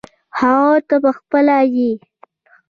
هغه ته پخپله یې .